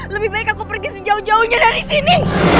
lebih baik aku pergi sejauh jauhnya dari sini